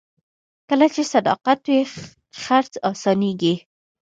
کله چې صداقت وي، خرڅ اسانېږي.